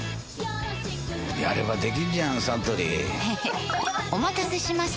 やればできんじゃんサントリーへへっお待たせしました！